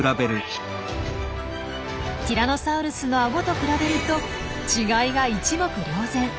ティラノサウルスのアゴと比べると違いが一目瞭然。